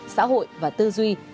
xã hội và tư duy